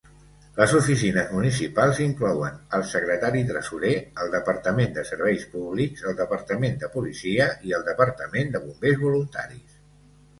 Les oficines municipals inclouen el secretari tresorer, el departament de serveis públics, el departament de policia i el departament de bombers voluntaris.